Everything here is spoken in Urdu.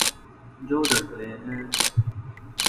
جو ڈرتے ہیں